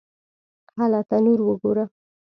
_هله! تنور وګوره!